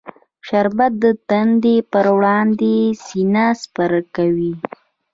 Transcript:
شربت د تندې پر وړاندې سینه سپر کوي